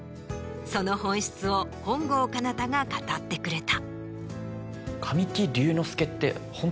その本質を本郷奏多が語ってくれた。